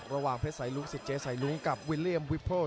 ระหว่างเพชรไสลุ้งสิรเจไสลุ้งกับวิลเลียมวิปเพอล์